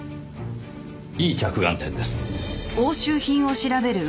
いい着眼点です。